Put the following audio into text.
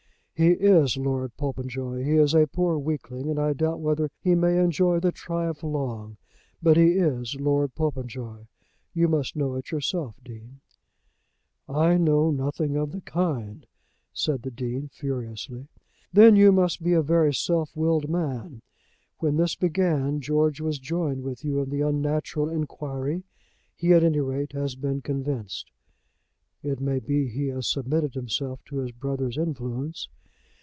"He is Lord Popenjoy. He is a poor weakling, and I doubt whether he may enjoy the triumph long, but he is Lord Popenjoy. You must know it yourself, Dean." "I know nothing of the kind," said the Dean, furiously. "Then you must be a very self willed man. When this began George was joined with you in the unnatural inquiry. He at any rate has been convinced." "It may be he has submitted himself to his brother's influence."